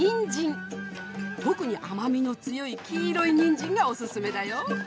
特に甘みの強い黄色いニンジンがおすすめだよ。